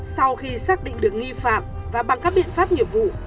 sau khi xác định được nghi phạm và bằng các biện pháp nghiệp vụ